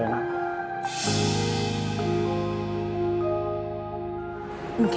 aku kayak batas banget